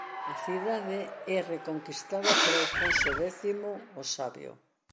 A cidade é reconquistada por Afonso X o Sabio.